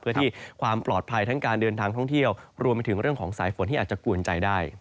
เพื่อที่ความปลอดภัยทั้งการเดินทางท่องเที่ยวรวมไปถึงเรื่องของสายฝนที่อาจจะกวนใจได้